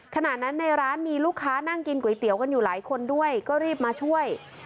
ขณะนั้นในร้านมีลูกค้านั่งกินก๋วยเตี๋ยวกันอยู่หลายคนด้วยก็รีบมาช่วย